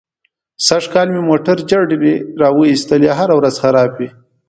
سږ کال مې موټر جرړې را و ایستلې. هره ورځ خراب وي.